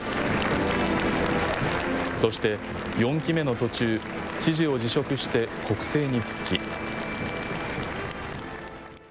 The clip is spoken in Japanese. そして、４期目の途中、知事を辞職して国政に復帰。